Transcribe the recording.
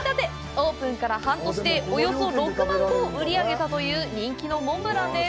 オープンから半年でおよそ６万個を売り上げたという人気のモンブランです。